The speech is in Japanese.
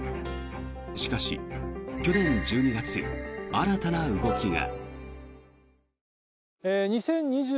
しかし、去年１２月新たな動きが。